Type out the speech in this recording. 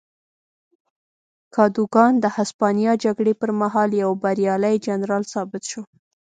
کادوګان د هسپانیا جګړې پر مهال یو بریالی جنرال ثابت شو.